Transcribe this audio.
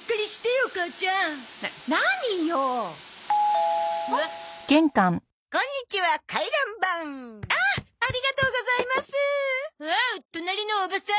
おお隣のおばさん。